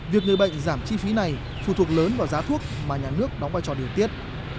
việc người bệnh giảm chi phí này phụ thuộc lớn vào giá thuốc mà nhà nước đóng vai trò điều tiết